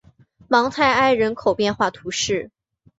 芒泰埃人口变化图示